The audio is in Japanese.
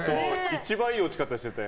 一番いい落ち方してた。